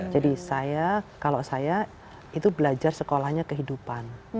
jadi saya kalau saya itu belajar sekolahnya kehidupan